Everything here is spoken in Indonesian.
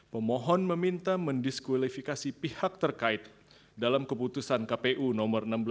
pemohon meminta mendiskualifikasi pihak terkait dalam keputusan kpu no seribu enam ratus tiga puluh dua